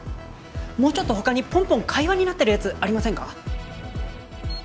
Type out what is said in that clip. もうちょっと他にポンポン会話になってるやつありませんか？